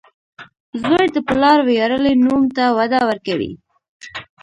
• زوی د پلار ویاړلی نوم ته وده ورکوي.